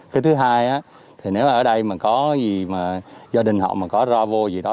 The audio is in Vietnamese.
cái thứ hai thì nếu ở đây mà có gì mà gia đình họ mà có ra vô gì đó